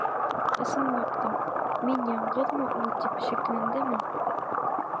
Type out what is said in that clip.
Ысынлап та, мин яңғыҙмы ул, тип шикләндеме?